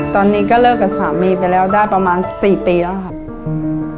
ตอนนี้ก็เลิกกับสามีไปแล้วได้ประมาณ๔ปีแล้วค่ะ